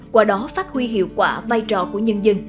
qua đó phát huy hiệu quả vai trò của nhân dân